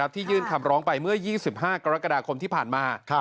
ยื่นคำร้องไปเมื่อ๒๕กรกฎาคมที่ผ่านมา